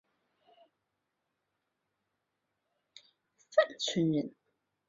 山东兖州平阴县东阿镇洪范村人。